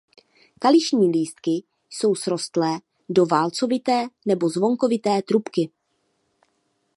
Kališní lístky jsou srostlé do válcovité nebo zvonkovité trubky.